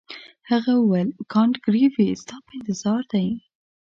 هغه وویل کانت ګریفي ستا په انتظار دی.